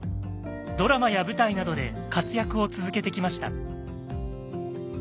ドラマや舞台などで活躍を続けてきました。